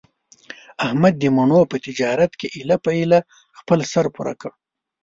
احمد د مڼو په تجارت کې ایله په ایله خپل سر پوره کړ.